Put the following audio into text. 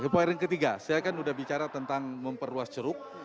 poin ketiga saya kan sudah bicara tentang memperluas ceruk